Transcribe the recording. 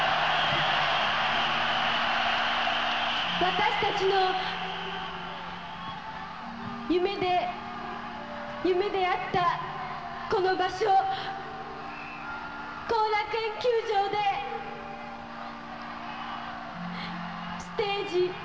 私たちの夢で夢であったこの場所後楽園球場でステージ